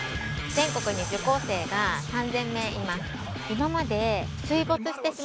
全国に受講生が３０００名います。